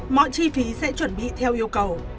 mọi chi phí sẽ chuẩn bị theo yêu cầu